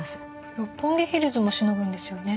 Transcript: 六本木ヒルズもしのぐんですよね。